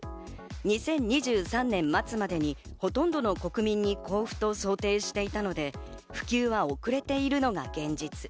２０２３年末までにほとんどの国民に交付と想定していたので普及は遅れているのが現実。